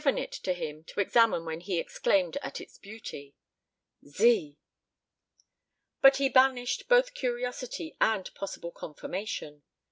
She had given it to him to examine when he exclaimed at its beauty. Z! But he banished both curiosity and possible confirmation.